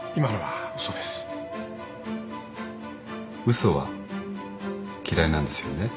嘘は嫌いなんですよね？